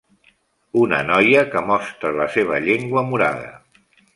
Una noia que mostra la seva llengua morada